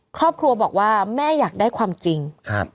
ครอบครัวบอกว่าแม่อยากได้ความจริง